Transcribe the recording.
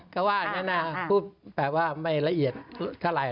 ก็ว่าไม่ละเอียดเท่าไหร่